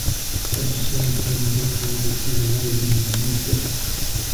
تَبْصِرَةً وَذِكْرَى لِكُلِّ عَبْدٍ مُنِيبٍ